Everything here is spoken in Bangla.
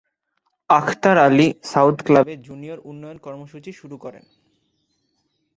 আখতার আলী সাউথ ক্লাবে জুনিয়র উন্নয়ন কর্মসূচি শুরু করেন।